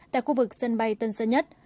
tại khu vực sân bay tân sơn nhất